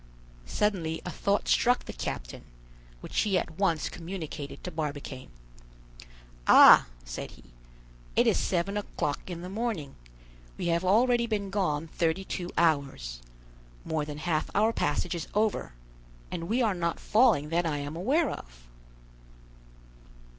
Suddenly a thought struck the captain, which he at once communicated to Barbicane. "Ah!" said he; "it is seven o'clock in the morning; we have already been gone thirty two hours; more than half our passage is over, and we are not falling that I am aware of."